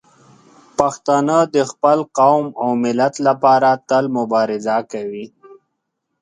پښتانه د خپل قوم او ملت لپاره تل مبارزه کوي.